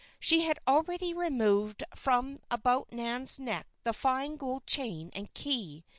She had already removed from about Nan's neck the fine gold chain and key.